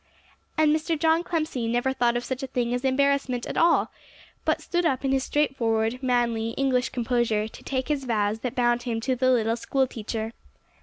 And Mr. John Clemcy never thought of such a thing as embarrassment at all; but stood up in his straightforward, manly, English composure, to take his vows that bound him to the little school teacher.